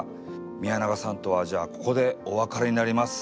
宮永さんとはじゃあここでお別れになります。